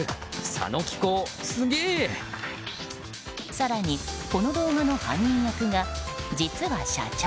更に、この動画の犯人役が実は社長。